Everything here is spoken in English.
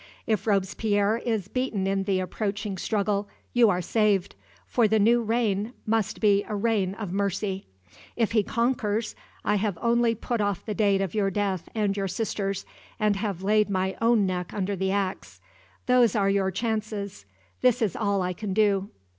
If Robespierre is beaten in the approaching struggle, you are saved for the new reign must be a Reign of Mercy. If he conquers, I have only put off the date of your death and your sister's, and have laid my own neck under the axe. Those are your chances this is all I can do."